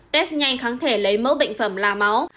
test nhanh kháng thể lấy mẫu bệnh phẩm là máu